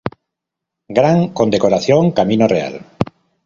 Gran Condecoración Camino Real.